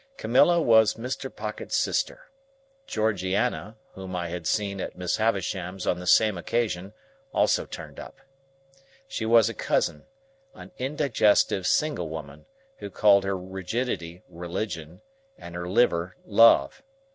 Camilla was Mr. Pocket's sister. Georgiana, whom I had seen at Miss Havisham's on the same occasion, also turned up. She was a cousin,—an indigestive single woman, who called her rigidity religion, and her liver love.